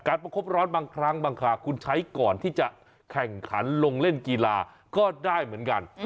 ประคบร้อนบางครั้งบางคราคุณใช้ก่อนที่จะแข่งขันลงเล่นกีฬาก็ได้เหมือนกัน